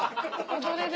踊れる。